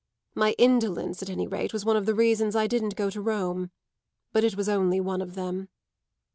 My indolence, at any rate, was one of the reasons I didn't go to Rome. But it was only one of them."